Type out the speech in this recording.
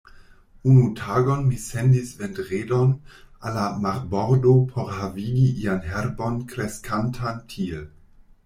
Unu tagon mi sendis Vendredon al la marbordo por havigi ian herbon kreskantan tie.